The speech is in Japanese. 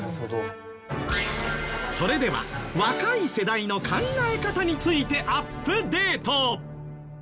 それでは若い世代の考え方についてアップデート。